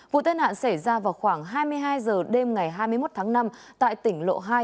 vụ tai nạn xảy ra vào khoảng hai mươi hai h đêm ngày hai mươi một tháng năm tại tỉnh lộ hai